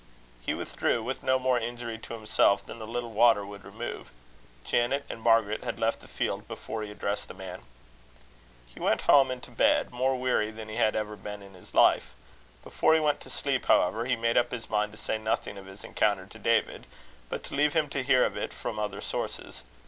He withdrew, with no more injury to himself than a little water would remove. Janet and Margaret had left the field before he addressed the man. He went borne and to bed more weary than he had ever been in his life. Before he went to sleep, however, he made up his mind to say nothing of his encounter to David, but to leave him to hear of it from other sources.